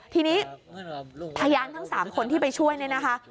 ทีนี้พยานทั้ง๓คนที่ไปช่วยเนี่ยนะคะ